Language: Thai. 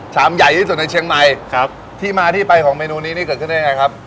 ใหญ่ที่สุดในเชียงใหม่ครับที่มาที่ไปของเมนูนี้นี่เกิดขึ้นได้ยังไงครับ